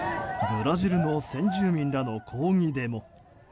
ブラジルの先住民らの抗議デモ。